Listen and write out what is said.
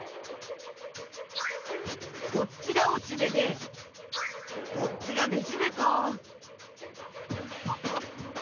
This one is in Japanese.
こっちがおしべでこっちがめしべか。